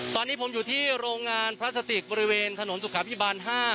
ตอนนี้ผมอยู่ที่โรงงานพลาสติกบริเวณถนนสุขาพิบาล๕